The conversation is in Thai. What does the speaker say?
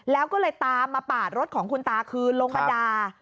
แล้วก็เลยตามมาปาดรถของคุณตาคืนลงมาด่า